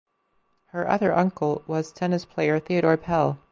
Her other uncle was tennis player Theodore Pell.